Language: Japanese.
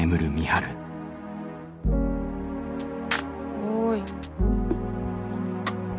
おい。